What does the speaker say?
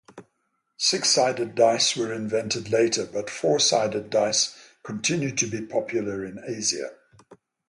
Six-sided dice were invented later but four-sided dice continued to be popular in Asia.